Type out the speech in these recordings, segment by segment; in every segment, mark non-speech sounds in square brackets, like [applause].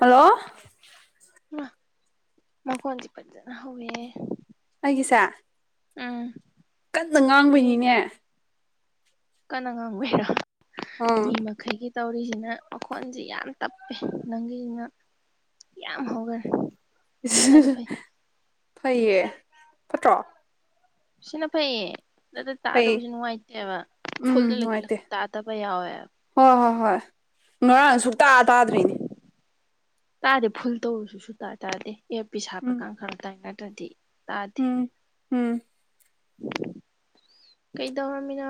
Hello ꯃ ꯀꯣꯟꯁꯤ ꯄꯖꯅ ꯍꯎꯏ ꯑꯩꯒꯤꯁ ꯑꯝ ꯀꯟꯅ ꯉꯥꯡꯕꯅꯤꯅꯦ ꯀꯅꯥ ꯉꯥꯡꯕꯩꯔꯣ ꯃꯤ ꯑꯪ ꯃꯈꯩꯒꯤ ꯇꯧꯔꯤꯁꯤꯅ ꯃꯈꯣꯟꯁꯤ ꯌꯥꯝ ꯇꯞꯄꯦ ꯅꯪꯒꯤꯁꯤꯅ ꯌꯥꯝ ꯍꯧꯈꯔꯦ ꯁꯤꯅꯗꯤ ꯐꯩ ꯐꯩꯌꯦ ꯐꯠꯇ꯭ꯔꯣ ꯁꯤꯅ ꯐꯌꯦ ꯅꯠꯇ ꯇꯥꯗꯕꯁꯨ ꯐꯩ ꯅꯨꯡꯉꯥꯏꯇꯦꯕ ꯐꯨꯜꯗ ꯎꯝ ꯈꯠꯂꯁꯨ ꯅꯨꯡꯉꯥꯏꯇꯦ ꯇꯥꯗꯕ ꯌꯥꯎꯋꯦꯕ ꯍꯣꯏ ꯍꯣꯏ ꯍꯣꯏ ꯉꯔꯥꯡ ꯁꯨꯛꯛꯇꯥ ꯇꯥꯗ꯭ꯔꯤꯅꯦ ꯇꯥꯗꯤ ꯐꯨꯜ ꯇꯧꯔꯁꯨꯁꯨꯨ ꯇꯥꯏ ꯇꯥꯔꯗꯗꯤ ꯑꯦꯞ ꯄꯤ ꯁꯥꯞꯄꯀ ꯎꯝ ꯈꯔ ꯇꯥꯏ ꯅꯠꯇ꯭ꯔꯗꯤ ꯇꯗꯤ ꯎꯝ ꯎꯝ ꯀꯩꯗ ꯍꯃꯤꯅ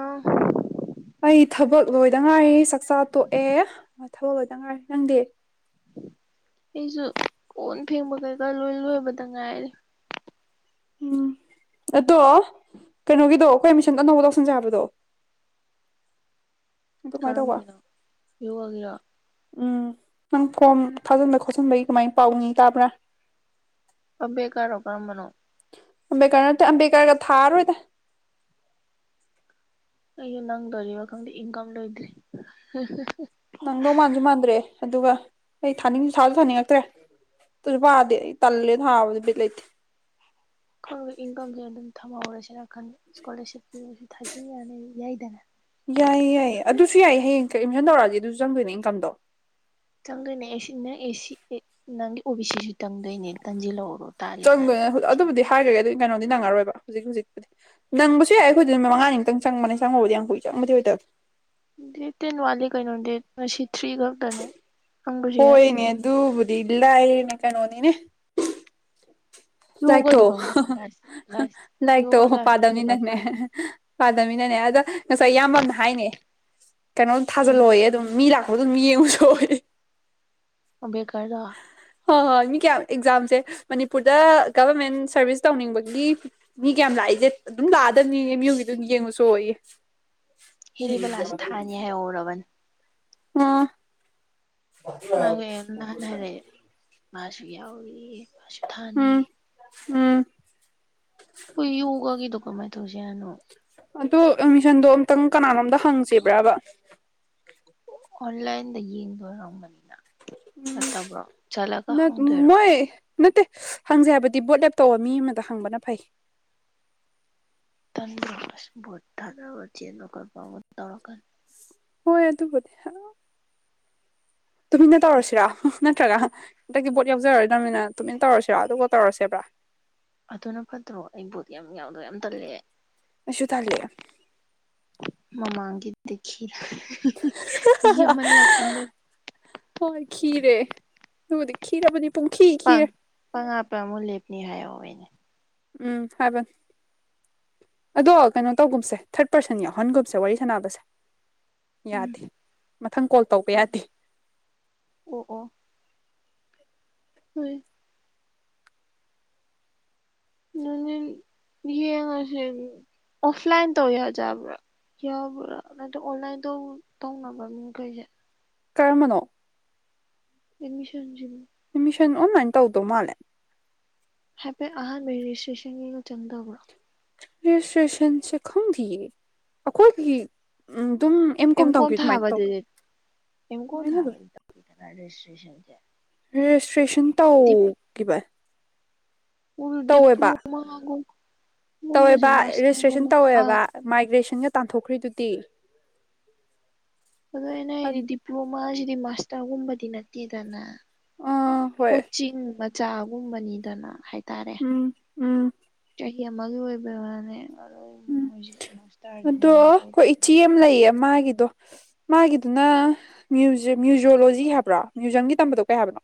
ꯑꯩ ꯊꯕꯛ ꯂꯣꯏꯗ ꯉꯥꯏꯔꯤ ꯆꯥꯛꯆꯥ ꯇꯣꯛꯑꯦ ꯊꯕꯛ ꯂꯣꯏꯗ ꯉꯥꯏꯔꯤ ꯅꯪꯗꯤ ꯑꯩꯁꯨ ꯀꯟ ꯐꯦꯡꯕ ꯀꯩꯀꯥ ꯂꯣꯏ ꯂꯣꯏꯕꯗ ꯉꯥꯏꯔꯦ ꯎꯝ ꯑꯗꯣ ꯀꯩꯅꯣꯒꯤꯗꯣ ꯑꯩꯈꯣꯏꯃꯤꯁꯟ ꯑꯅꯧꯕ ꯇꯧꯁꯟꯖꯕꯗꯣ [inaudible] ꯀꯔꯃꯒꯅꯥꯥ ꯌꯨꯒꯔꯥ ꯎꯝ ꯅꯪ ꯐꯣꯝ ꯊꯥꯖꯤꯟꯕ ꯈꯣꯠꯆꯤꯟꯕꯒꯤ ꯀꯃꯥꯏꯅ ꯄꯥꯎꯅꯤ ꯇꯥꯕ꯭ꯔꯥ ꯑꯃꯕꯦꯗꯀꯥꯔꯣ ꯀꯔꯝꯕꯅꯣ ꯑꯝꯝꯕꯦꯀꯅ ꯑꯝꯝꯕꯦꯀꯔꯒ ꯊꯥꯔ ꯑꯣꯏꯣꯏꯗ ꯑꯣ ꯅꯪꯗꯣꯔꯤꯕ ꯈꯪꯗꯦ ꯏꯟꯀꯝ ꯂꯣꯏꯗ꯭ꯔꯤ ꯅꯪꯗꯧ ꯃꯥꯟꯁꯨ ꯃꯥꯟꯗ꯭ꯔꯦ ꯑꯗꯨꯒ ꯑꯩ ꯊꯥꯅꯤꯡꯁꯨ ꯊꯥꯁꯨ ꯊꯥꯅꯤꯡꯉꯛꯇ꯭ꯔꯦ ꯇꯁꯨ ꯄꯥꯗ ꯇꯂꯦ ꯊꯥꯕꯗ ꯄꯤꯂ ꯏꯦ ꯏꯟꯀꯝꯁꯨ ꯑꯗꯨꯝ ꯊꯝꯍꯧꯔꯁꯤꯔꯟꯗ ꯏꯁꯀꯣꯂꯔꯁꯤꯞꯀꯤ ꯊꯥꯖꯩ ꯌꯥꯅꯤ ꯌꯥꯏꯗꯅ ꯌꯥꯏꯌꯦ ꯌꯥꯏꯌꯦ ꯑꯗꯨꯁꯨ ꯌꯥꯏꯌꯦ ꯍꯌꯦꯡ ꯑꯦꯠꯃꯤꯁꯟ ꯇꯧꯔꯛꯑꯁꯤ ꯑꯗꯨꯁꯨ ꯆꯪꯗꯣꯏꯅꯦ ꯏꯟꯀꯝꯗꯣ ꯆꯪꯗꯣꯏꯅꯦ ꯑꯦꯁꯤ ꯅꯪ ꯑꯦꯁꯤ ꯑꯦ ꯅꯪꯒꯤ ꯑꯣꯕꯤ ꯁꯤꯁꯨ ꯆꯪꯗꯣꯏꯅꯦ ꯇꯥꯟꯁꯤꯜꯍꯔꯣ ꯆꯪꯗꫭꯏꯅꯦ ꯑꯗꯨꯕꯨꯗꯤ ꯍꯥꯏꯒ꯭ꯔꯒꯦ ꯑꯗꯨ ꯀꯩꯅꯣꯗꯤ ꯅꯪꯉꯔꯣꯏꯕ ꯍꯧꯖꯤꯛ ꯍꯧꯖꯤꯛꯄꯨꯗꯤ ꯅꯪꯕꯁꯨ ꯌꯥꯏ ꯑꯩꯈꯣꯏꯗ ꯃꯉꯥꯅꯤ ꯃꯨꯛꯇꯪ ꯆꯪꯕꯅꯦ ꯆꯪꯕꯕꯨꯗꯤ ꯌꯥꯝ ꯀꯨꯏ ꯆꯪꯕꯗꯤ ꯑꯣꯏꯗꯕ [inaudible] ꯗꯦꯠ ꯇꯦꯟ ꯋꯥꯠꯂꯂꯤ ꯀꯩꯅꯣ ꯗꯦꯠ ꯉꯁꯤ ꯊ꯭ꯔꯤ ꯈꯛꯇꯅꯦ ꯅꯪꯒꯤꯁꯦ ꯍꯣꯏꯅꯦ ꯑꯗꯨꯕꯨꯗꯤ ꯂꯏꯌꯦꯅꯦ ꯀꯩꯅꯣꯅꯤꯅꯦ ꯌꯣꯒꯗꯨ ꯂꯥꯏꯛꯇꫭ ꯀꯔꯝ ꯀꯥꯟ ꯂꯥꯁ ꯂꯥꯁ ꯂꯥꯏꯔꯤꯛꯇꯣ ꯌꯣꯒ ꯂꯥꯁ ꯗꯦꯠꯇꯣ ꯀꯔꯝ ꯄꯥꯗꯝꯕꯅꯤꯅꯪꯅꯦ ꯀꯥꯟ ꯄꯥꯗꯝꯕꯅꯤꯅꯅꯦ ꯑꯗ ꯉꯁꯥꯏ ꯏꯌꯥꯝꯕ ꯑꯃꯅ ꯍꯥꯏꯅꯦ ꯀꯩꯅꯣꯝ ꯎꯝ ꯊꯥꯖꯜꯂꫭꯌꯦ ꯑꯗꯨꯝ ꯃꯤ ꯂꯥꯛꯄꯗ ꯑꯗꯨꯝ ꯌꯦꯡꯉꯨꯆꫭ ꯌꯦ ꯑꯝꯕꯦꯗꯀꯔꯗꫭ ꯍꯣꯏ ꯍꯣꯏ ꯃꯤ ꯀꯌꯥꯝ ꯑꯦꯛꯖꯥꯝꯁꯦ ꯃꯅꯤꯄꯨꯔꯗ ꯒꯕꯔꯃꯦꯟ ꯁꯔꯚꯤꯁꯁ ꯇꯧꯅꯤꯡꯕꯒꯤ ꯃꯤ ꯀꯌꯥꯝ ꯂꯥꯛꯏꯁꯦ ꯑꯗꯨꯝ ꯂꯥꯛꯑꯗꯕꯅꯤ ꯑꯦꯝ ꯌꯨꯒꯤꯗꯨ ꯑꯗꯨꯝ ꯌꯦꯡꯉꯨꯆꫭꯌꯦ [inaudible] ꯍꯦꯔꯤꯕꯂꯥꯁꯨ ꯊꯥꯅꯤ ꯍꯥꯏꯍꯧꯔꯕꯅꯤ ꯑꯥ ꯃꯥꯒꯤ ꯅꯍꯥꯟ ꯍꯥꯏꯔꯛꯑꯦ ꯃꯥꯁꯨ ꯌꯥꯎꯔꯤ ꯃꯥꯁꯨ ꯊꯥꯅꯤ ꯎꯝ ꯎꯝ ꯍꯣꯏ ꯌꫭꯒꯒꯤꯗꯨꯣ ꯀꯃꯥꯏ ꯇꯧꯁꯤ ꯍꯥꯏꯅꯣ ꯑꯗꯨ ꯑꯦꯠꯃꯤꯁꯟꯗꯣ ꯑꯝꯛꯇꯪ ꯀꯅꯥꯅꫭꯝꯗ ꯍꯪꯁꯤꯕ꯭ꯔꯕ ꯑꯣꯟꯂꯥꯏꯟꯗ ꯌꯦꯡꯗꫭꯏꯔꯝꯒꯅꯤꯅ ꯅꯠꯇꯕ꯭ꯔꯣ ꯆꯠꯂꯒ ꯅꯠ ꯍꯪꯗꯣꯏꯔꯣ ꯃꯣꯏ ꯅꯠꯇꯦ ꯍꯪꯖꯦ ꯍꯥꯏꯕꯗꯤ ꯚꫭꯠ ꯂꯦꯞꯇꯧꯕ ꯃꯤ ꯑꯃꯗ ꯍꯪꯕꯅ ꯐꯩ ꯇꯟꯗ꯭ꯔꫭ ꯑꯁ ꯚꫭꯠ ꯊꯥꯗꯕ ꯆꯦꯟꯕ ꯈꫭꯠꯄ ꯃꯨꯛ ꯇꯧꯔꯛꯀꯅꯤ ꯍꯣꯏ ꯑꯗꯨꯕꯨꯗꯤ [inaudible] ꯇꯨꯃꯤꯟꯅ ꯇꯧꯔꯁꯤꯔꯥ ꯅꯠꯇ꯭ꯔꯒ ꯍꯟꯗꯛꯇꯨ ꯕꯣꯠ ꯌꯥꯎꯖꯔꯔꯣꯏꯗ꯭ꯔꯃꯤꯅ ꯇꯨꯃꯤꯟꯅ ꯇꯧꯔꯁꯤꯔꯥ ꯑꯗꯨꯒ ꯇꯧꯔꯁꯦꯕ꯭ꯔꯥ ꯑꯗꯨꯅ ꯐꯠꯇ꯭ꯔꯣ ꯑꯩꯕꯨꯗꯤ ꯌꯥꯝ ꯌꯥꯎꯗꯧ ꯌꯥꯝ ꯇꯜꯂꯦ ꯑꯩꯁꯨ ꯊꯜꯂꯦ ꯃꯃꯥꯡꯒꯤꯗꯤ ꯈꯤ ꯍꯣꯏ ꯈꯤꯔꯦ ꯑꯗꯨꯕꯨꯗꯤ ꯈꯤꯔꯕꯅꯤ ꯄꯨꯡꯈꯤ ꯄꯪ ꯈꯤꯔꯦ ꯉꯥ ꯄꯪ ꯑꯃꯨꯛ ꯂꯦꯞꯅꯤ ꯍꯥꯏꯍꯧꯋꯦ ꯎꯝ ꯍꯥꯏꯕꯟ ꯑꯗꯣ ꯀꯩꯅꯣ ꯇꯧꯒꯨꯝꯁꯦ ꯊꯔꯠ ꯄꯥꯔꯁꯟ ꯌꯥꯎꯍꯟꯒꯨꯝꯁꯦ ꯋꯥꯔꯤ ꯁꯥꯟꯅꯕꯁꯦ ꯎꯝ ꯌꯥꯗꯦ ꯃꯊꯪ ꯀꯣꯜ ꯇꯧꯕ ꯌꯥꯗꯦ ꯑꯣ ꯍꫭꯏ ꯅꯨꯡꯗꯤꯟ ꯌꯦꯡꯉꯁꯦ ꯑꯣꯐ ꯂꯥꯏꯟ ꯇꯧ ꯌꯥꯖꯕ꯭ꯔ ꯌꯥꯕ꯭ꯔ ꯅꯠꯇ꯭ꯔ ꯑꯣꯟꯂꯥꯏꯟꯗꯧ ꯇꯧꯅꯕ꯭ꯔ ꯃꯤꯈꯩꯁꯦ ꯀꯔꯝꯕꯅꯣ ꯃꯤꯁꯟ ꯁꯤꯕꫭ ꯑꯦꯃꯤꯁꯟ ꯑꯣꯟꯂꯥꯏꯟ ꯇꯧꯗꯧ ꯃꯥꯜꯂꯦ ꯍꯥꯏꯐꯦꯠ ꯑꯍꯥꯟꯕꯩ [unintelligible] ꯒ ꯆꯪꯗꯕ꯭ꯔꯣ ꯔꯦꯖꯤꯁꯇ꯭ꯔꯦꯁꯟꯁꯦ ꯈꯪꯗꯤꯌꯦ ꯑꯩꯈꯣꯏꯒꯤ ꯎꯝ ꯑꯦꯝ ꯀꫭꯝ ꯊꯥꯕꯗꯗꯤ ꯑꯦꯝ ꯀꫭꯝ ꯑꯗꯨꯃꯥꯏꯅ ꯑꯗꯨꯝ ꯊꯥꯕꯗꯗꯤ ꯆꯪꯗꯕ꯭ꯔ ꯔꯦꯖꯤꯁꯇ꯭ꯔꯦꯁꯟꯖꯦ ꯔꯦꯖꯤꯁꯇ꯭ꯔꯦꯁꯟ ꯇꯧꯈꯤꯕ ꯎꯜ ꯇꯧꯋꯦꯕ ꯗꯤꯞ꯭ꯂꯣꯃꯥ ꯒꯨꯝ ꯇꯧꯋꯦꯕ ꯔꯦꯖꯤꯁꯇ꯭ꯔꯦꯁꯟ ꯇꯧꯋꯦꯕ ꯃꯥꯏꯒ꯭ꯔꯦꯁꯟꯒ ꯇꯥꯟꯊꯣꯛꯈ꯭ꯔꯤꯗꯨꯗꯤ [inaudible] ꯑꯗꯨ ꯑꯩꯅ ꯍꯥꯏꯗꯤ ꯗꯤꯄ꯭ꯂꯣꯃꯥꯁꯤꯗꯤ ꯃꯥꯁꯇꯔꯒꯨꯝꯕꯗꯤ ꯅꯠꯇꯦꯗꯅ ꯑꯥ ꯍꯣꯏ ꯀꯣꯆꯤꯡ ꯃꯆꯥꯒꯨꯝꯕꯅꯤꯗꯅ ꯍꯥꯏ ꯎꯝ ꯎꯝ ꯒꯤ ꯑꯃꯥꯒꯤ ꯑꯣꯏꯕꯩ ꯋꯥꯅꯦ ꯑꯗꯣ ꯃꯣꯏꯁꯦ ꯎꯝ ꯃꯥꯁꯇꯔꯗꯨ ꯑꯗꯣ ꯃꯥꯅ ꯑꯩꯈꯣꯏ ꯏꯆꯦ ꯑꯃ ꯇꯧꯕꯤꯗ ꯂꯩꯌꯦ ꯃꯥꯒꯤꯗꯣ ꯃꯥꯒꯤꯗꯨꯅ ꯃ꯭ꯌꯨꯖꯌꯣꯂꯣꯖꯤ ꯍꯥꯏꯕ꯭ꯔꯣ ꯃ꯭ꯌꯨꯖꯌꯝꯒꯤ ꯇꯝꯕꯗꯣ ꯀꯩ ꯍꯥꯏꯕꯅꯣ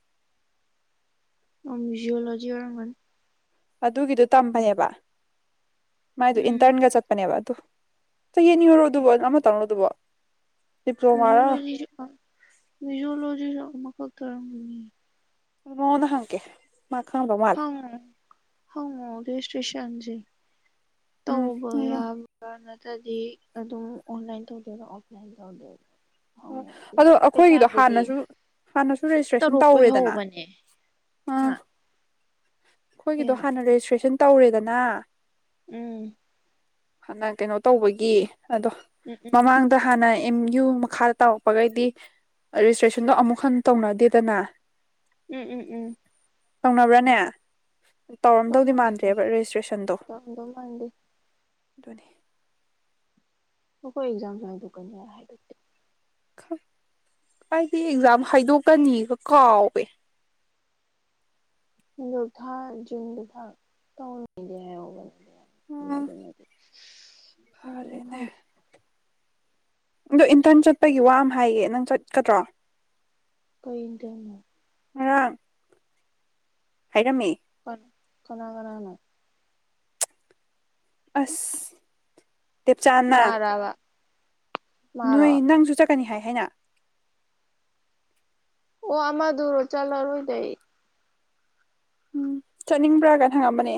[unintelligible] ꯖꯑꯣꯣꯂꯣꯖꯤ ꯑꯣꯏꯔ ꯑꯗꯨꯒꯤꯗꯨꯣ ꯇꯝꯕꯅꯦꯕ ꯃꯥꯏꯗꯨ ꯎꯝ ꯏꯟꯇꯔꯟꯒ ꯆꯠꯄꯅꯦꯕ ꯆ ꯌꯦꯟꯅꯤꯔꯣ ꯑꯗꯨꯕꯣ ꯑꯃ ꯇꯪꯉꯣ ꯑꯗꯨꯕꯣ ꯃꯤꯖꯣꯂꯣꯖꯤ ꯃꯤꯖꯣꯂꯣꯖꯤꯁꯨ ꯑꯃꯈꯛ ꯇꯔꯝꯅꯤ ꯃꯣꯗ ꯍꯪꯀꯦ ꯍ ꯍꯁꯇꯦꯁ ꯎꯝ ꯇꯕ ꯍꯣꯏ ꯌꯥꯕ ꯅ ꯗꯤ ꯑꯗꯨꯝ ꯑꯣꯟꯂꯥꯏꯟ ꯇꯧꯗꯣꯏꯔꯣ ꯑꯣꯐꯂꯥꯏꯟ ꯇꯧꯗꯣꯏꯔꯣ ꯑꯣ ꯑꯗꯣ ꯑꯩꯈꯣꯏꯒꯤꯗꯣ ꯄꯩꯁꯥꯗꯨꯗꯤ ꯍꯥꯟꯅꯁꯨ ꯍꯥꯟꯅꯁꯨ ꯔꯦꯖꯤꯁꯇ꯭ꯔꯦꯁꯟ ꯇꯔꯨꯛ ꯇꯧꯔꯦꯗꯅ ꯑꯣꯏꯍꯧꯕꯅꯦ ꯍꯥ ꯑꯥ ꯑꯩꯈꯣꯏꯒꯤꯗꯣ ꯀꯩꯅꯣ ꯍꯥꯟꯅ ꯔꯦꯖꯤꯁꯇ꯭ꯔꯦꯁꯟ ꯇꯧꯔꯦꯗꯅ ꯎꯝ ꯍꯥꯟꯅ ꯀꯩꯅꯣ ꯇꯧꯕꯒꯤ ꯑꯗꯣ ꯎꯝ ꯎꯝ ꯃꯃꯥꯡꯗ ꯍꯥꯟꯅ ꯑꯦꯝ ꯌꯨ ꯃꯈꯥ ꯇꯧꯔꯛꯄꯈꯩꯗꯤ ꯔꯦꯖꯤꯁꯇ꯭ꯔꯦꯁꯟꯗꯣ ꯑꯃꯨꯛ ꯍꯟꯅ ꯇꯧꯅꯗꯦꯗꯅ ꯎꯝ ꯎꯝ ꯎꯝ ꯇꯧꯅꯕ꯭ꯔꯥꯅꯦ ꯇꯧꯔꯝꯗꯧꯗꯤ ꯇꯧꯅꯗꯕ ꯃꯥꯟꯗ꯭ꯔꯦꯕ ꯔꯦꯖꯤꯁꯇ꯭ꯔꯦꯁꯟꯗꯣ ꯇꯧꯔꯝꯗꯧ ꯃꯥꯟꯗꯦ ꯑꯗꯨꯅꯤ ꯣꯏ ꯑꯦꯖꯥꯗꯨ ꯀꯅꯤ ꯍꯥꯏ ꯑꯩꯗꯤ ꯑꯦꯛꯖꯥꯝ ꯍꯥꯏꯗꯣꯛꯀꯅꯤꯒ ꯀꯥꯎꯋꯦ ꯊꯥ ꯨꯝ ꯀ ꯊ ꯇ ꯎꯝ ꯗꯤ ꯑꯗꯨ ꯐꯔꯦꯅꯦ ꯈꯪꯗꯦ ꯑꯗꯣ ꯏꯟꯇꯔꯟ ꯆꯠꯄꯒꯤ ꯋꯥ ꯑꯃ ꯍꯥꯏꯌꯦ ꯅꯪ ꯆꯠꯀꯗ꯭ꯔꯣ ꯀꯗꯅꯣ ꯉ ꯍꯥꯏꯔꯝꯃꯤ ꯀ ꯀꯅꯥ ꯀꯅꯥꯅ ꯑꯁ ꯇꯦꯞꯆꯥꯅ ꯃꯥꯔꯥꯕ ꯃꯥꯔꯣ ꯅꯣꯏ ꯅꯪꯁꯨ ꯆꯠꯀꯅꯤ ꯍꯥꯏ ꯍꯥꯏꯅ ꯑꯣ ꯑꯃꯗꯔ ꯆꯜꯂꯔꯣꯏꯗꯏ ꯎꯝ ꯆꯠꯅꯤꯡꯕ꯭ꯔꯥꯒ ꯊꯪꯉꯝꯕꯅꯦ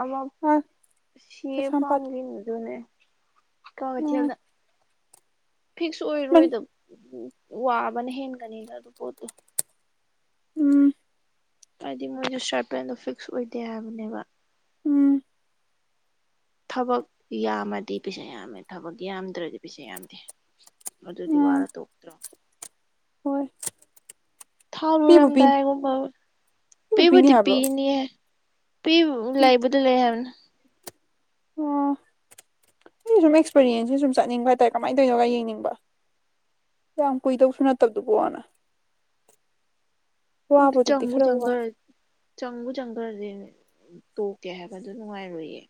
ꯑꯃ ꯑꯥ ꯁꯤꯌꯦ ꯀꯩꯁꯥꯝꯄꯥꯠ ꯄꯥꯝꯒꯤꯅꯗꯨꯅꯦ ꯎꯝ ꯀꯣꯇꯅ ꯐꯤꯛꯁ ꯑꯣꯏꯔꯣꯏꯗꯕ ꯋꯥꯕꯅ ꯍꯦꯟꯒꯅꯤꯅ ꯑꯗꯨ ꯄꯣꯠꯇꯣ ꯎꯝ ꯍꯥꯏꯗꯤ ꯃꯣꯏꯅ ꯁꯔꯠ ꯄꯦꯟꯗꯣ ꯐꯤꯛꯁ ꯑꯣꯏꯗꯦ ꯍꯥꯏꯕꯅꯦꯕ ꯎꯝ ꯊꯕꯛ ꯌꯥꯝꯃꯗꯤ ꯄꯩꯁꯥ ꯌꯥꯝꯃꯦ ꯊꯕꯛ ꯌꯥꯝꯗ꯭ꯔꯗꯤ ꯄꯩꯁꯥ ꯌꯥꯝꯗꯦ ꯑꯗꯨꯗꯤ ꯎꯝ ꯋꯥꯔ ꯇꯣꯛꯇ꯭ꯔꯣ ꯍꯣꯏ ꯄꯤꯕꯨ ꯄꯤꯅꯤ ꯊꯥꯎꯔꯝꯗꯥꯏꯨꯝ ꯄꯤꯕꯨ ꯄꯤꯕꯗꯤ ꯍꯥꯏꯕ꯭ꯔꯣ ꯄꯤꯅꯤ ꯄꯤ ꯎꯝ ꯂꯩꯕꯗꯤ ꯂꯩ ꯍꯥꯏꯕꯅꯦ ꯑꯣ [unintelligible] ꯑꯩ ꯁꯨꯝ ꯑꯦꯛꯁꯄꯤꯔꯤꯌꯦꯟꯁꯁꯤ ꯁꯨꯝ ꯆꯠꯅꯤꯡꯕ ꯍꯥꯏꯇꯥꯔꯦ ꯀꯃꯥꯏꯅ ꯇꯧꯅꯣꯒ ꯌꯦꯡꯅꯤꯡꯕ ꯌꯥꯝ ꯀꯨꯏꯗꯕꯁꯨ ꯅꯠꯇꯕꯗꯨ ꯄꯅ ꯍ ꯆꯪꯒ ꯆꯪꯒꯥ ꯆꯪꯒꯨ ꯆꯪꯒꯥꯗꯅꯦ ꯇꯣꯛꯀꯦ ꯍꯥꯏꯕꯗꯨ ꯅꯨꯡꯉꯥꯏꯔꯣꯏꯌꯦ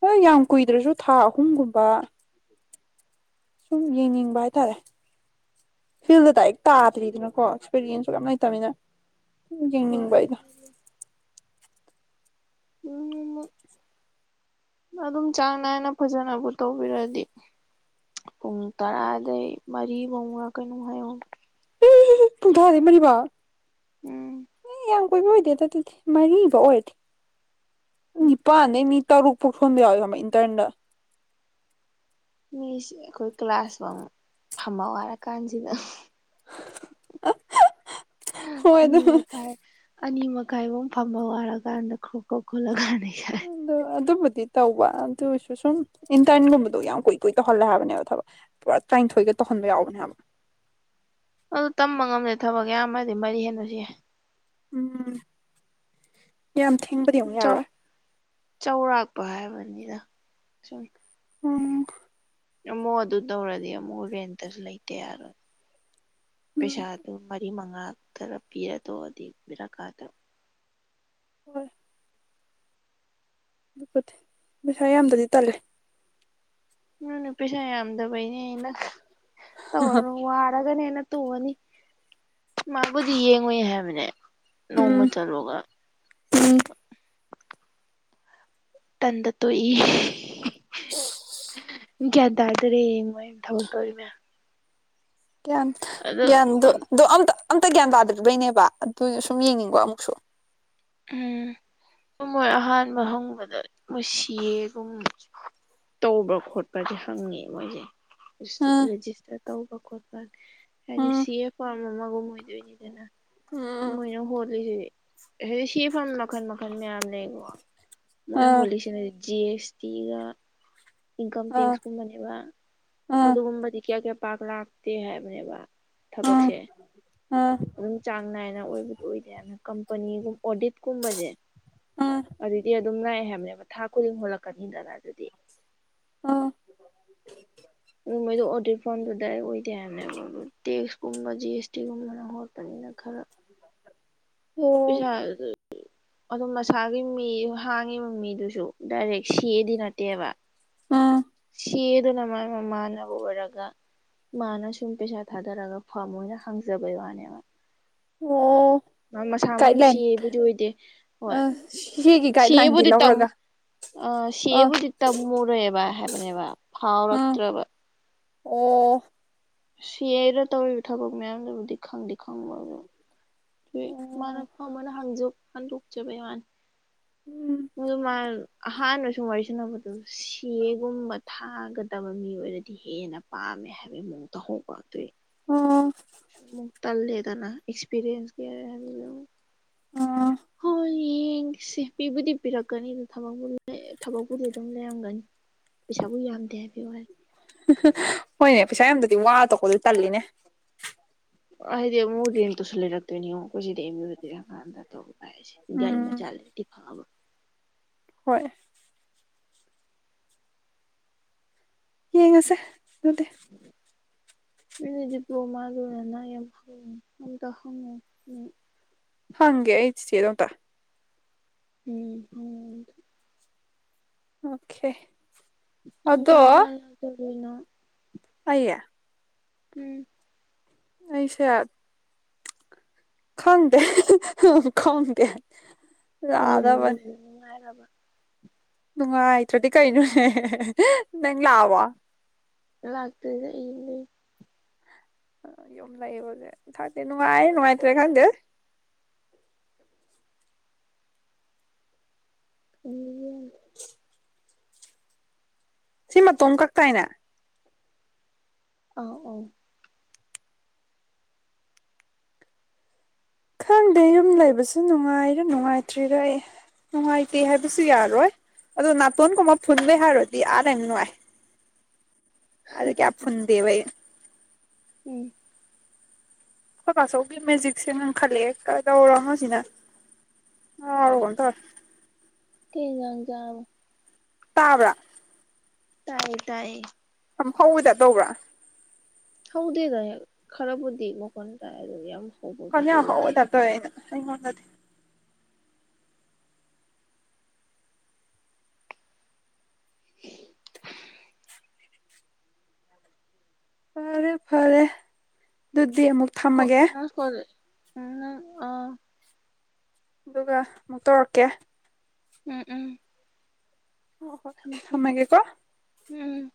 ꯍꯣꯏ ꯌꯥꯝ ꯀꯨꯏꯗ꯭ꯔꯁꯨ ꯊꯥ ꯑꯍꯨꯝꯒꯨꯝꯕ ꯁꯨꯝ ꯌꯦꯡꯅꯤꯡꯕ ꯍꯥꯏꯇꯥꯔꯦ ꯐꯤꯜꯗꯨꯗ ꯍꯦꯛ ꯇꯥꯗ꯭ꯔꯤꯗꯅꯀꯣ ꯑꯦꯛꯁꯄꯤꯔꯤꯌꯦꯟꯁꯁꯨ ꯌꯥꯝ ꯂꯩꯇꯕꯃꯤꯅ ꯍꯣꯏ ꯒꯅꯤꯡꯕꯥꯏꯗ ꯌ [unintelligible] ꯑꯗꯨꯝ ꯆꯥꯡ ꯅꯥꯏꯅ ꯐꯖꯅꯕꯨ ꯇꯧꯕꯤꯔꯗꯤ ꯄꯨꯡ ꯇꯔꯥꯗꯩ ꯃꯔꯤ ꯐꯧꯅ ꯀꯩꯅꯣ ꯍꯥꯏꯌꯨ ꯀ ꯊꯥꯗꯦ ꯃꯔꯤ ꯋꯥ ꯎꯝ ꯀꯌꯥꯝ ꯀꯣꯏꯕ ꯑꯣꯏꯗꯦ ꯑꯗꯨ ꯑꯗꯨꯗꯤ ꯃꯔꯤꯐꯥꯎ ꯑꯣꯏꯔꯗꯤ ꯅꯤꯄꯥꯥꯟꯅꯩ ꯃꯤ ꯇꯔꯨꯠ ꯁꯣꯟꯗ ꯏꯟꯇꯔꯟꯗ ꯃꯤꯁ ꯑꯩꯈꯣꯏ ꯀ꯭ꯂꯥꯁ ꯐꯝ ꯋꯥꯔꯀꯥꯟꯁꯤꯗ ꯍꯣꯏ ꯑꯗꯨ ꯑꯅꯤꯕ ꯄꯔ ꯑꯅꯤ ꯃꯈꯥꯏꯕ ꯐꯝꯕ ꯋꯥꯔꯀꯥꯟꯗ ꯈ꯭ꯔꯣꯛꯀ ꯈꯣꯠꯂꯒꯥꯟꯅ ꯑꯗꯨꯃ ꯇꯧꯕ ꯑꯗꯨ ꯑꯣꯏꯔꯁꯨ ꯁꯨꯝ ꯏꯟꯇꯔꯟꯒꯨꯝꯕꯗꯣ ꯌꯥꯝ ꯀꯨꯏ ꯀꯨꯏ ꯇꯧꯍꯜꯂꯦ ꯍꯥꯏꯕꯅꯦꯕ ꯊꯕꯛ ꯄꯨꯔꯥ ꯇꯔꯥꯅꯤꯊꯣꯏꯒ ꯇꯈꯟꯕ ꯌꯥꯎꯒꯅꯦ ꯍꯥꯏꯕ ꯑꯗꯨ ꯇꯝꯕ ꯉꯝꯗꯦ ꯊꯕꯛ ꯌꯥꯝꯌꯥꯝꯃ꯭ꯔꯗꯤ ꯃꯔꯤ ꯍꯦꯟꯅꯁꯤ ꯌꯥꯏ ꯎꯝ ꯌꯥꯝ ꯊꯦꯡꯕꯗꯤ ꯑꯃꯨꯛ ꯁꯨꯝ ꯌꯥꯔ ꯆꯥꯎꯧꯔꯥꯛꯄ ꯍꯥꯏꯕꯅꯤꯗ ꯁꯨꯝ ꯎꯝ ꯑꯃꯨꯛ ꯑꯗꯨ ꯇꯧꯔꯗꯤ ꯑꯃꯨꯛ ꯍꯣꯔꯦꯟꯇꯁꯨ ꯂꯩꯇꯦ ꯌꯥꯔꯣꯏ ꯎꯝ ꯄꯩꯁꯥꯗꯨ ꯃꯔꯤ ꯃꯉꯥ ꯈꯔ ꯄꯤꯔꯗꯣꯗꯤ ꯕꯤꯔꯥꯀꯥꯗ ꯍ [unintelligible] ꯑꯗꯨꯗꯤ [inaudible] ꯄꯩꯁꯥ ꯌꯥꯝꯕꯗꯤ ꯇꯜꯂꯦ ꯅꯪꯅ ꯄꯩꯁꯥ ꯌꯥꯝꯗꯕꯩꯅꯦ ꯇꯧꯔ ꯋꯥꯔꯒꯅꯦ ꯇꯣꯡꯉꯅꯤ ꯃꯥꯕꯨꯗꯤ ꯌꯦꯡꯉꯨ ꯍꯥꯏꯕꯅꯦ ꯎꯝ ꯅꯣꯡꯃ ꯆꯂꯣꯒ ꯎꯝ ꯇꯟꯗ ꯇꯣꯏ [unintelligible] ꯄꯨꯡ ꯀꯌꯥ ꯇꯗꯔꯦ ꯊꯕ ꯇꯧꯔꯤꯃꯦ ꯒ꯭ꯌꯥꯟ ꯒ꯭ꯌꯥꯟꯗ ꯑꯣ ꯑꯝꯇ ꯑꯝꯇ ꯒ꯭ꯌꯥꯟ ꯇꯥꯗ꯭ꯔꯤꯕꯩꯅꯦꯕ ꯑꯗꯨꯅ ꯁꯨꯝ ꯌꯦꯡꯅꯤꯡꯕꯣ ꯑꯃꯨꯛꯁꯨ ꯎꯝ ꯃꯣꯏ ꯑꯍꯥꯟꯕ ꯍꯪꯕꯗ ꯅꯨꯡꯁꯤꯌꯦꯒꯨꯝ ꯇꯧꯕ꯭ꯔꯥ ꯈꯣꯠꯄ꯭ꯔꯁꯦ ꯍꯪꯉꯦ ꯃꯣꯏꯁꯦ ꯎꯝ ꯔꯦꯖꯤꯁꯇꯔ ꯇꯧꯕ ꯈꯣꯠꯄꯅꯤ ꯍꯥꯏꯗꯤ ꯎꯝ ꯁꯤ ꯑꯦ ꯄꯔꯝꯃꯥꯒꯨꯝ ꯃꯣꯏ ꯑꯗꯨꯗꯣꯏꯅꯤꯗꯅ ꯎꯝ ꯃꯣꯏꯅ ꯍꯣꯜꯂꯤꯖꯤꯗꯤ ꯁꯤꯐꯝ ꯃꯈꯜ ꯃꯈꯜ ꯃꯌꯥꯝ ꯂꯩꯀꯣ ꯃꯣꯏ ꯎꯝ ꯍꯣꯜꯂꯤꯁꯤꯅ ꯖꯤ ꯑꯦꯁ ꯇꯤꯒ ꯏꯟꯀꯝ ꯇꯦꯛꯁꯀꯨꯝꯕꯅꯦꯕ ꯎꯝ ꯑꯗꯨꯒꯨꯝꯕꯗꯤ ꯀꯌꯥ ꯀꯌꯥ ꯄꯥꯛ ꯂꯥꯛꯇꯦ ꯍꯥꯏꯕꯅꯦꯕ ꯎꯝ ꯊꯕꯛꯁꯦ ꯎꯝ ꯑꯗꯨꯝ ꯆꯥꯡ ꯅꯥꯏꯅ ꯑꯣꯏꯕꯗꯨ ꯑꯣꯏꯗꯦ ꯑꯗꯨꯅ ꯀꯝꯄꯅꯤꯒꯨꯝꯕ ꯑꯣꯗꯤꯠ ꯀꯨꯝꯕꯁꯦ ꯎꯝ ꯎꯝ ꯑꯗꯨꯗꯤ ꯑꯗꯨꯝ ꯂ ꯌꯥꯝꯅꯦꯕ ꯊꯥ ꯈꯨꯗꯤꯡ ꯍꯣꯜꯂꯛꯀꯅꯤꯗꯅ ꯑꯗꯨꯗꯤ ꯑꯥ ꯑꯗꯨ ꯃꯣꯏꯗ ꯑꯣꯗꯤꯠ ꯐꯥꯝꯗꯣ ꯗꯥꯏꯔꯦꯛ ꯑꯣꯏꯗꯦ ꯍꯥꯏꯕꯅꯦꯕ ꯑꯗꯨ ꯇꯦꯛꯁꯀꯨꯝꯕ ꯖꯤ ꯑꯦꯁ ꯇꯤ ꯒꯨꯝꯕꯅ ꯍꯣꯠꯄꯅꯤꯅ ꯈꯔ ꯑ [inaudible] ꯑꯣ ꯄꯁꯥꯗ [inaudible] ꯑꯗꯨꯝ ꯃꯁꯥꯒꯤ ꯃꯤ ꯍꯥꯡꯉꯤꯕ ꯃꯤꯗꯨꯁꯨ ꯗꯥꯏꯔꯦꯛ ꯁꯤꯑꯗꯤ ꯅꯠꯇꯦꯕ ꯎꯝ ꯁꯤꯑꯗꯅ ꯃꯥꯥꯏ ꯃꯃꯥꯅ ꯑꯣꯏꯔꯒ ꯃꯥꯅ ꯁꯨꯝ ꯄꯩꯁꯥ ꯊꯥꯗꯔꯒ ꯐꯝ ꯃꯣꯏꯅ ꯍꯥꯡꯖꯕꯩ ꯋꯥꯅꯦ ꯃ ꯑꯣ ꯃꯁꯥꯃꯛꯁꯨ ꯒꯥꯏꯗꯂꯥꯏꯟ ꯁꯤꯑꯕꯨꯗꯤ ꯑꯣꯏꯗꯦ ꯑ ꯍꯣꯏ ꯁꯤꯒꯤ ꯒꯥꯏꯗꯂꯥꯏꯟꯗꯤ ꯁꯤꯑꯕꯨꯗꯤ ꯇꯝꯃꯨ ꯂꯧꯔꯒ ꯑ ꯑ ꯁꯤꯕꯨꯗꯤ ꯇ ꯃꯣꯔ ꯑꯦꯕꯥ ꯍꯥꯏꯕꯅꯦꯕ ꯎꯝ ꯐꯥꯎꯔꯛꯇ꯭ꯔꯕ ꯑꯣ꯫ ꯁꯤꯑꯦꯔ ꯇꯧꯔꯤꯕ ꯊꯕꯛ ꯃꯌꯥꯝꯗꯨꯕꯨꯗꯤ ꯈꯪꯗꯤ ꯈꯪꯕꯒ ꯑꯗꯨ ꯑꯣ ꯃꫭꯏ ꯃꯥꯅ ꯐꯃꯅ ꯍꯪꯖꯨ ꯍꯟꯗꫭꯛꯆꯕꯩ ꯋꯥꯅꯤ꯫ ꯎꯝ ꯃꫭꯏꯗꯨ ꯃꯥ ꯑꯍꯥꯟꯕ ꯁꯨꯝ ꯋꯥꯔꯤ ꯁꯥꯟꯅꯕꯗꯨ ꯁꯤꯑꯦꯒꯨꯝꯕ ꯊꯥꯒ ꯇꯕ ꯃꯤ ꯑꯣꯏꯔꯗꯤ ꯍꯦꯟꯅ ꯄꯥꯝꯃꯦ ꯍꯥꯏꯕꯒꯤ ꯃꯑꯣꯡ ꯇꯧꯍꯧꯕ ꯑꯗꯨꯏ꯫ ꯑꯣ ꯇꯅ ꯑꯦꯛꯁꯄꯤꯔꯤꯌꯦꯟꯁ ꯀꯌꯥ꯫ [inaudible] ꯑꯥ ꯍꫭꯏꯌꯦ꯫ ꯌꯦꯡꯁꯤ ꯄꯤꯕꯨꯗꯤ ꯄꯤꯔꯛꯀꯅꯤ ꯊꯕꯛꯄꯨꯗꯤ ꯑꯗꯨꯝ ꯂꯩꯔꯝꯒꯅꯤ꯫ ꯄꯩꯁꯥꯕꯨ ꯌꯥꯝꯗꯦ ꯍꯥꯏꯕꯩ ꯋꯥꯅꯤ꯫ ꯍꯣꯏꯅꯦ ꯄꯩꯁꯥ ꯌꯥꯝꯗꯗꯤ ꯋꯥ ꯇꯣꯛꯄꯗꯤ ꯇꯜꯂꯤꯅꯦ꯫ ꯑꯥ ꯍꯥꯥꯏꯗꯤ ꯑꯃꯨꯛ ꯔꯦꯟ ꯇꯥꯁꯨ ꯂꯩꯔꯛꯇꫭꯏꯅꯤ ꯌꯦꯡꯑꫭ ꯑꯈꫭꯏꯁꯤ ꯑꯦꯝꯌꯨ꯫ [inaudible] ꯍꯥꯏꯁꯦ ꯒꯥꯔꯤ ꯎꯝ ꯃꯆꯥ ꯂꯩꯗꯤ ꯐꯕ꯫ ꯍꯣꯏ꯫ ꯌꯦꯡꯉꯁꯦ ꯑꯗꯨꯗꯤ꯫ [inaudible] ꯅꯣꯢꯗꯤ ꯗꯤꯄꯂꯣꯃꯥꯥ ꯂꯣꯢꯔꯦꯅ ꯑꯩ ꯑꯝꯇ ꯍꯪꯉꯣ ꯍꯪꯒꯦ ꯑꯩ ꯆꯦ ꯆꯦꯗ ꯑꯝꯇ꯫ ꯎꯝ ꯍꯪꯉꯣ ꯑꯝꯇ ꯑꯣꯀꯦ꯫ ꯅꯪ ꯑꯗꯣ ꯀꯔꯝꯀꯥꯟ ꯂꯥꯛꯇꯣꯔꯤꯅꯣ ꯑꯩ꯫ ꯎꯝ ꯑꯩꯁꯦ ꯈꯪꯗꯦ ꯈꯪꯗꯦ꯫ ꯌꯨꯝ ꯂꯥꯛꯑꯗꯕꯅꯤ ꯂꯩꯕ ꯅꯨꯡꯉꯥꯏꯔꯕ ꯅꯨꯡꯉꯥꯏꯇ꯭ꯔꯗꯤ ꯀꯩꯅꯣꯅꯦ ꯅꯪ ꯂꯥꯛꯑꯕꯣ ꯂꯥꯛꯇ꯭ꯔꯤꯗ ꯑꯩ ꯌꯨꯝ ꯂꯩ꯫ ꯑ ꯌꯨꯝ ꯂꯩꯏꯕꯁꯦ ꯈꯪꯗꯦ ꯅꯨꯡꯉꯥꯏ ꯅꯨꯡꯉꯥꯏꯇ꯭ꯔꯦ ꯈꯪꯗꯦꯗ꯫ [unintelligible] [inaudible] ꯈꯟꯕꯤꯒꯦ [inaudible] [unintelligible] ꯁꯤ ꯃꯇꯣꯝ ꯀꯛꯇꯥꯏꯅꯦ꯫ ꯑꯥꯎ ꯑꯥꯎ ꯈꯪꯗꯦ ꯌꯨꯝ ꯂꯩꯕꯁꯨ ꯅꯨꯡꯉꯥꯏꯔ ꯅꯨꯡꯉꯥꯏꯇ꯭ꯔꯤꯔ ꯑꯩ꯫ ꯅꯨꯡꯉꯥꯏꯇꯦ ꯍꯥꯏꯕꯁꯨ ꯌꯥꯔꯣꯏ ꯑꯗꯣ ꯅꯥꯇꯣꯟꯒꯨꯝꯕ ꯐꯨꯟꯕꯩ ꯍꯥꯏꯔꯗꯤ ꯑꯥ ꯂꯩꯕꯅ ꯅꯨꯡꯉꯥꯏ꯫ ꯑꯥꯗ ꯀꯌꯥ ꯐꯨꯟꯗꯦꯕ ꯑꯩ꯫ ꯎꯝ ꯑꯈꯣꯏꯕꯥꯆꯧꯒꯤ ꯃꯦꯖꯤꯛꯁꯦ ꯉꯪꯈꯠꯂꯛꯑꯦ ꯀꯩꯗꯧꯔꯝꯃꯣ ꯑꯁꯤꯅ꯫ ꯉꯥꯎꯔꯕ ꯀꯩꯅꯣꯝ ꯇꯧꯔꯦ ꯀꯩ ꯍꯦꯟꯖꯥꯡ ꯆꯥꯔꯕ꯫ ꯇꯥꯕ꯭ꯔꯥ꯫ ꯇꯥꯢꯌꯦ ꯇꯥꯏꯌꯦ꯫ ꯌꯥꯝ ꯍꯧꯕꯩ ꯇꯥꯏꯞ ꯇꯧꯕ꯭ꯔꯥ꯫ ꯍꯧꯗꯦꯗ ꯑꯦ ꯈꯔꯕꯨꯗꯤ ꯃꯈꯣꯟ ꯇꯥꯢ ꯑꯗꯨꯒ ꯌꯥꯝ ꯀꯥꯟꯅ ꯍꯧꯕꯕꯨꯗꯤ ꯑꯣꯏꯗꯦ ꯍꯧꯕꯩ ꯇꯥꯏꯞ ꯇꯧꯑꯦ ꯑꯩꯅ ꯑꯩꯉꯣꯟꯗꯗꯤ꯫ [unintelligible] ꯐꯔꯦ-ꯐꯔꯦ ꯑꯗꯨꯗꯤ ꯑꯃꯨꯛ ꯁ꯭ꯀꯣ ꯊꯝꯃꯒꯦ꯫ ꯅꯪ ꯁ꯭ꯀꯣꯜ ꯎꯝ ꯅ ꯑ꯫ ꯑꯗꯨꯒ ꯑꯃꯨꯛ ꯇꯧꯔꯛꯀꯦ꯫ ꯎꯝ ꯎꯝ ꯍꯣꯢ ꯊꯝꯃꯦ ꯍꯣꯏ ꯊꯝꯃꯦ ꯊꯝꯃꯒꯦꯀꯣ ꯎꯝ